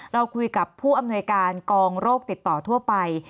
เราคุยกับผู้อำนวยการกองโรคติดต่อทั่วไป